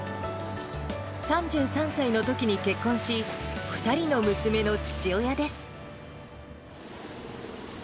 ３３歳のときに結婚し、２人の娘の父親です。